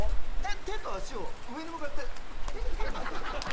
手と足を上に向かって。